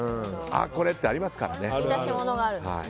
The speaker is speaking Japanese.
あ、これってありますからね。